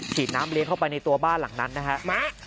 ฉีดน้ำเลี้ยงเข้าไปในตัวบ้านหลังนั้นนะฮะ